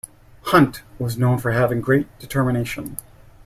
Hunt was known for having great determination.